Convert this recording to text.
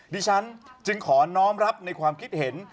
ดิฉันจึงขอน้องรับในความคิดเห็น